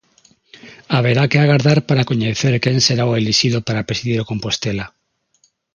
Haberá que agardar para coñecer quen será o elixido para presidir o Compostela.